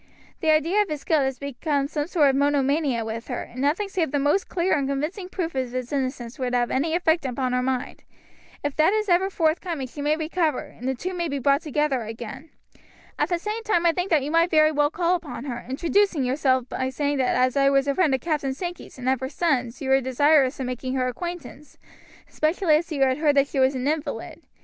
The idea of his guilt has become a sort of monomania with her, and nothing save the most clear and convincing proof of his innocence would have any effect upon her mind. If that is ever forthcoming she may recover, and the two may be brought together again. At the same time I think that you might very well call upon her, introducing yourself by saying that as I was a friend of Captain Sankey's and of her sons you were desirous of making her acquaintance, especially as you heard that she was such an invalid.